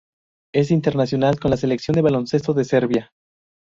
Es internacional con la Selección de baloncesto de Serbia.